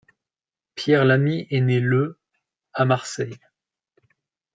Pierre Lami est né le à Marseille.